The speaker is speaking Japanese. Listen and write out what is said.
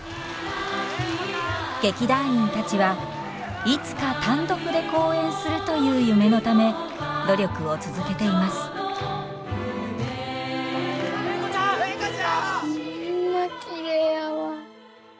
劇団員たちはいつか単独で公演するという夢のため努力を続けています礼子ちゃん！礼子ちゃん！ホンマきれいやわ。